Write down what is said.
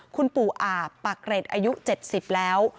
คุณปู่อาบปากเกร็ดอายุ๗๐แล้ว